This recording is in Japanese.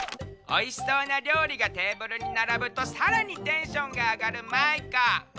おいしそうなりょうりがテーブルにならぶとさらにテンションがあがるマイカ。